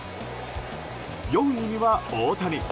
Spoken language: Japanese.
４位には、大谷。